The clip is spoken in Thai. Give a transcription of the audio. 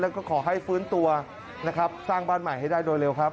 แล้วก็ขอให้ฟื้นตัวนะครับสร้างบ้านใหม่ให้ได้โดยเร็วครับ